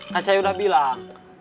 kan saya udah bilang